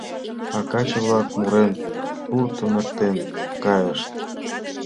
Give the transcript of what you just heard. А каче-влак, мурен, суртым эртен кайышт.